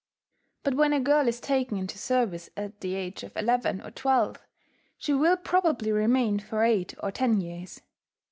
But when a girl is taken into service at the age of eleven or twelve, she will probably remain for eight or ten years.